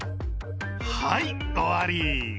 はい、終わり。